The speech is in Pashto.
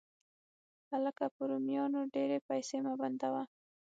هلکه! په رومیانو ډېرې پیسې مه بندوه